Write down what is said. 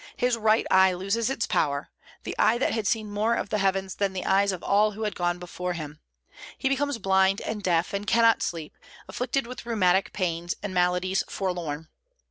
His right eye loses its power, that eye that had seen more of the heavens than the eyes of all who had gone before him. He becomes blind and deaf, and cannot sleep, afflicted with rheumatic pains and maladies forlorn.